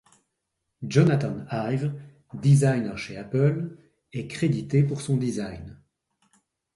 Jonathan Ive, designer chez Apple, est crédité pour son design.